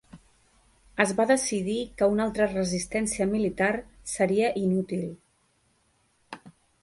Es va decidir que una altra resistència militar seria inútil.